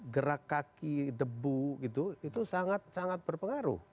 gerak kaki debu gitu itu sangat sangat berpengaruh